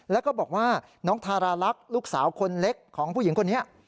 แล้วก็บอกว่าน้องทาราลักษณ์ลูกสาวคนเล็กของผู้หญิงคนนี้